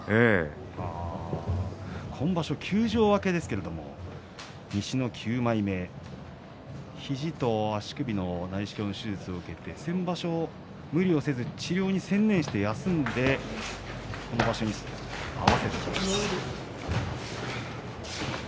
今場所休場明けですけれども西の９枚目肘と足首の内視鏡手術を受けて先場所は無理をせず治療に専念して休んで今場所に合わせてきました。